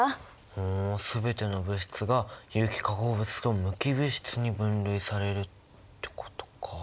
ふん全ての物質が有機化合物と無機物質に分類されるってことか。